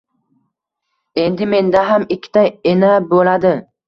Endi menda ham ikkita ena bo`ladi